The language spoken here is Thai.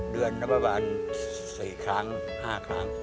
เดือนนับบาล๔ครั้ง๕ครั้ง